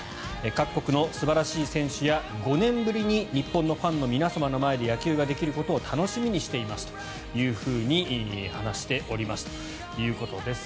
各国の素晴らしい選手や５年ぶりに日本のファンの皆様の前で野球ができることを楽しみにしていますというふうに話しておりますということです。